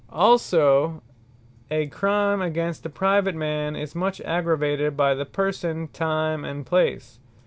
Also a Crime against a private man, is much aggravated by the person, time, and place.